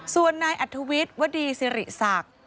ส่วนนายอัธวิทย์วดีสิริศักดิ์